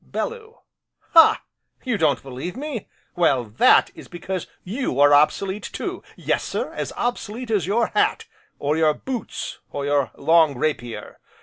BELLEW: Ha! you don't believe me? Well, that is because you are obsolete, too; yes sir, as obsolete as your hat, or your boots, or your long rapier.